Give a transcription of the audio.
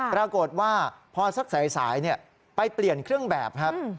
ปรากฏว่าพอสักสายไปเปลี่ยนเครื่องแบบครับ